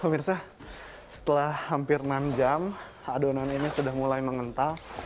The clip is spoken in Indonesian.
pemirsa setelah hampir enam jam adonan ini sudah mulai mengental